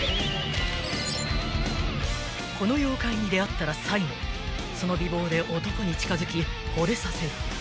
［この妖怪に出合ったら最後その美貌で男に近づきほれさせる］